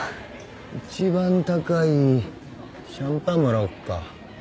一番高いシャンパンもらおっか？